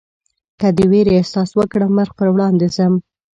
که د وېرې احساس وکړم مخ پر وړاندې ځم.